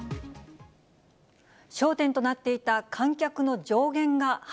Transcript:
焦点となっていた観客の上限